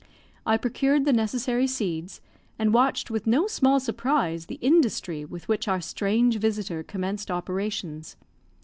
I procured the necessary seeds, and watched with no small surprise the industry with which our strange visitor commenced operations.